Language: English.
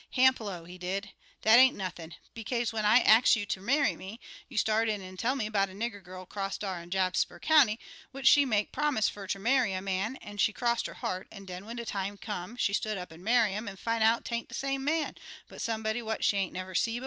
"Hamp low, he did, 'Dat ain't nothin', bekaze when I ax you ter marry me, you start in an' tell me 'bout a nigger gal 'cross dar in Jasper County, which she make promise fer ter marry a man an' she crossed her heart; an' den when de time come she stood up an' marry 'im an' fin' out 'tain't de same man, but somebody what she ain't never see' befo'.'